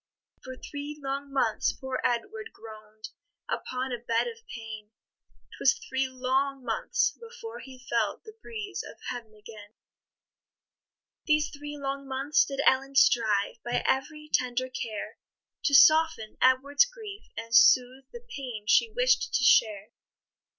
For three long months poor Edward groan'd Upon a bed of pain; 'Twas three long months before he felt The breeze of heaven again. These three long months did Ellen strive, By every tender care, To soften Edward's grief, and soothe The pain she wish'd to share.